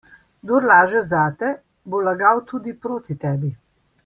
Kdor laže zate, bo lagal tudi proti tebi.